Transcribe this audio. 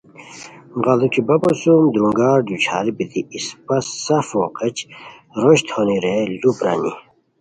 غیڑوچی بپو سُم درنگار دوچھار بیتی اِسپہ سفو غیچ روشت ہونی رے لوُ پرانی